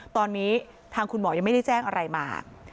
ตอนนี้ทางคุณหมอยังไม่ได้แจ้งอะไรมา